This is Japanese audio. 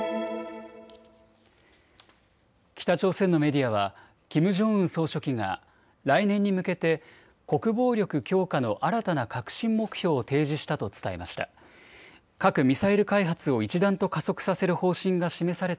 北朝鮮のメディアはキム・ジョンウン総書記が来年に向けて国防力強化の新たな核心目標を提示したと伝えました。